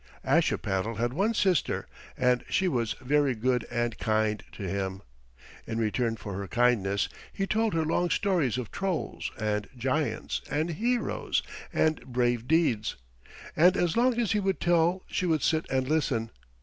Ashipattle had one sister, and she was very good and kind to him. In return for her kindness he told her long stories of trolls and giants and heroes and brave deeds, and as long as he would tell she would sit and listen.